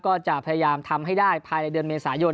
ก็จะพยายามทำให้ได้ภายในเดือนเมษายน